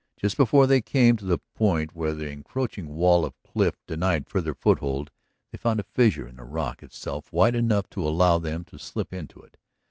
Just before they came to the point where the encroaching wall of cliff denied farther foothold they found a fissure in the rock itself wide enough to allow them to slip into it.